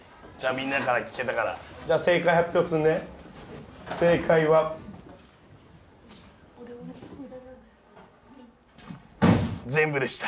みんなから聞けたからじゃ正解発表するね正解は全部でした・